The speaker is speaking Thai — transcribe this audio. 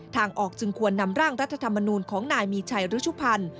ทางออกจึงควรนำร่างรัฐธรรมนูลของนายมีชัยรุชุพันธ์